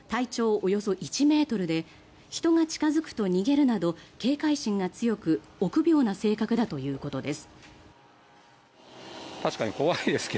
およそ１ｍで人が近付くと逃げるなど警戒心が強く臆病な性格だということです。